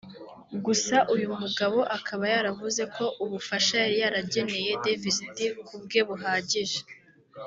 Gusa uyu mugabo akaba yaravuze ko ubufasha yari yarageneye Davis D ku bwe buhagije